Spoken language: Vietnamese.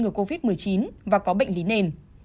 ngừa covid một mươi chín và có bệnh lý nền